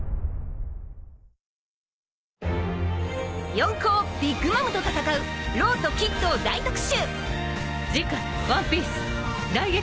四皇ビッグ・マムと戦うローとキッドを大特集！